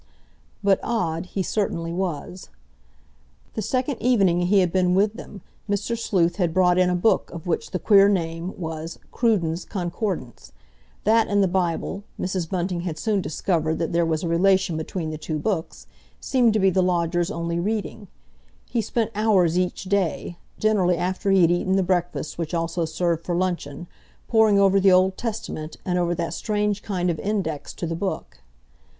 But odd he certainly was. The second evening he had been with them Mr. Sleuth had brought in a book of which the queer name was Cruden's Concordance. That and the Bible—Mrs. Bunting had soon discovered that there was a relation between the two books—seemed to be the lodger's only reading. He spent hours each day, generally after he had eaten the breakfast which also served for luncheon, poring over the Old Testament and over that strange kind of index to the Book.